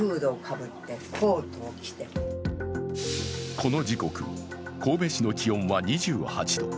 この時刻、神戸市の気温は２８度。